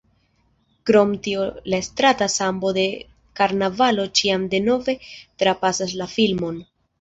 Krom tio la strata sambo de karnavalo ĉiam denove trapasas la filmon.